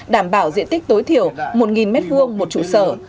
đảm bảo diện tích tối thiểu một m hai một trụ sở